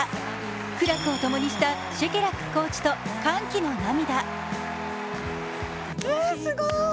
苦楽を共にしたシェケラックコーチと歓喜の涙。